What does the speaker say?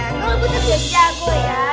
kalau gue tak jago ya